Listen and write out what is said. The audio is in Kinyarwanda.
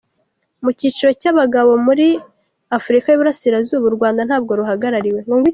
Mu cyiciro cy’abagabo muri Afurika y’Uburasirazuba, u Rwanda ntabwo ruhagarariwe.